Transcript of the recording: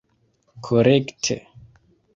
korekte